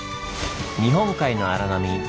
日本海の荒波。